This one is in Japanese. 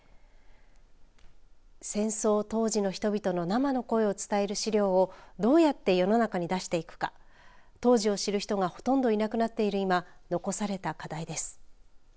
戦争当時の人々の生の声を伝える資料をどうやって世の中に出していくか当時を知る人がほとんどいなくなっている今残された課題です。